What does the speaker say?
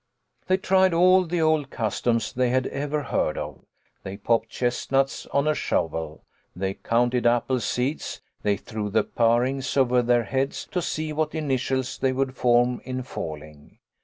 They tried all the old customs they had ever heard of. They popped chestnuts on a shovel, they counted apple seeds, they threw the parings over their heads to see what initials they would form in falling.